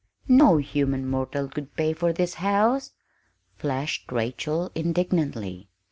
no human mortal could pay for this house!" flashed Rachel indignantly.